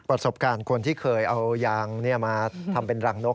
ประสบการณ์คนที่เคยเอายางมาทำเป็นรังนก